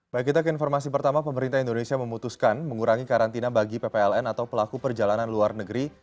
baik kita ke informasi pertama pemerintah indonesia memutuskan mengurangi karantina bagi ppln atau pelaku perjalanan luar negeri